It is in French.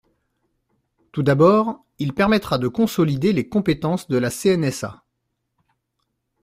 Tout d’abord, il permettra de consolider les compétences de la CNSA.